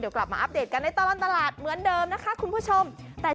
เดี๋ยวกลับมาอัปเดตกันในตลอดตลาดเหมือนเดิมนะคะคุณผู้ชมแต่